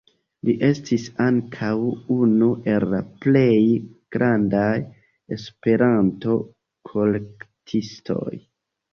Li estis ankaŭ unu el la plej grandaj Esperanto-kolektistoj.